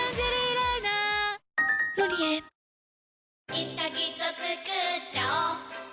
いつかきっとつくっちゃおう